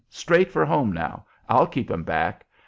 Straight for home now. I'll keep 'em back."